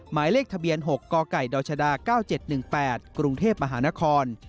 หมายเลขทะเบียน๖กกดชด๙๗๑๘กรุงเทพมหานคร